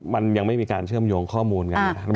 มันยังไม่มีการเชื่อมโยงข้อมูลกัน